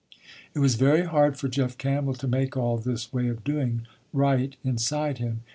It was very hard for Jeff Campbell to make all this way of doing, right, inside him.